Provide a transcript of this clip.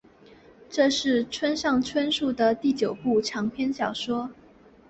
这是村上春树的第九部长篇小说。